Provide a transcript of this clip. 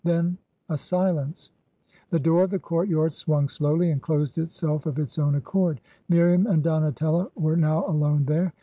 Then, a silence I The door of the court yard swung slowly, and closed itself of its own accord. Miriam and Donatello were now alone there.